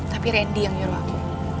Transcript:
tapi randy yang nyuruh aku